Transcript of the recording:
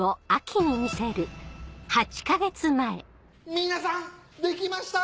皆さんできました！